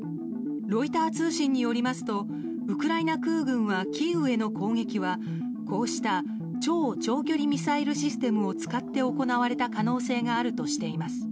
ロイター通信によりますとウクライナ空軍はキーウへの攻撃は、こうした超長距離ミサイルシステムを使って行われた可能性があるとしています。